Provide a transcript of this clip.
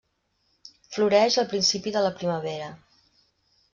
Floreix al principi de la primavera.